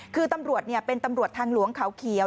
คือตำรวจเป็นตำรวจทางหลวงเขาเขียว